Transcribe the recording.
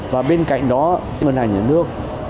và bên cạnh đó ngân hàng nhà nước